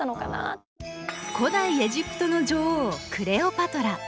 古代エジプトの女王クレオパトラ。